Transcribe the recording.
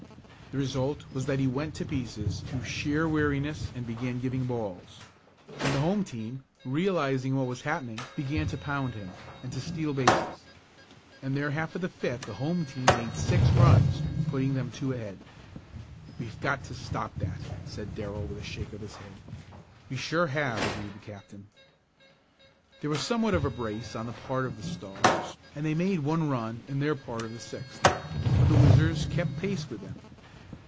The result was that he went to pieces through sheer weariness and began giving balls. Then the home team, realizing what was happening, began to pound him, and to steal bases. In their half of the fifth the home team made six runs, putting them two ahead. "We've got to stop that!" said Darrell, with a shake of his head. "We sure have," agreed the captain. There was somewhat of a brace on the part of the Stars and they made one run in their part of the sixth. But the Whizzers kept pace with them.